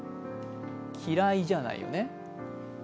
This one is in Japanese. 「嫌い」じゃないよね。